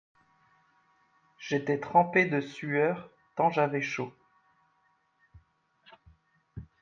J’étais trempé de sueur tant j’avais chaud.